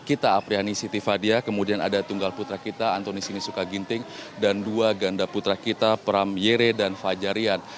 kita apriani siti fadia kemudian ada tunggal putra kita antoni sinisuka ginting dan dua ganda putra kita pram yere dan fajarian